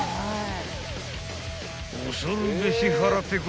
［恐るべし腹ペコ